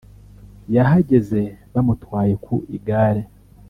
yahageze bamutwaye ku igare